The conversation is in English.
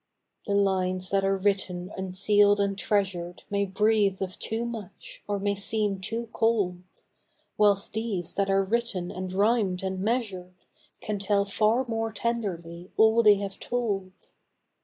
The lines that are written and sealed and treasured May breathe of too much, or may seem too cold, Whilst these that are written and rhymed and measured Can tell far more tenderly all they have told.